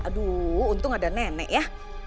aduh untung ada nenek ya